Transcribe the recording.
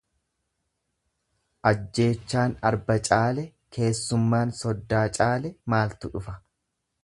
Ajjeechaan arba caale keessummaan soddaa caale maaltu dhufa.